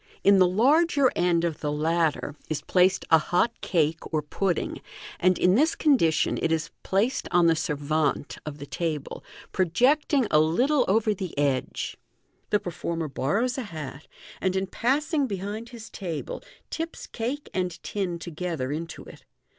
In the larger end of the latter is placed a hot cake or pudding, and in this condi tion it is placed on the servante of the table, pro jecting a little over the edge. The performer borrows a hat, and in passing behind his table, tips cake and tin together into it.